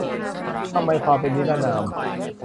ทำไม ความเป็นนิรนาม